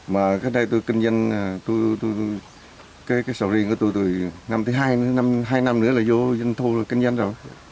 mà cái đây tôi kinh doanh cái sầu riêng của tôi từ năm thứ hai hai năm nữa là vô doanh thu kinh doanh rồi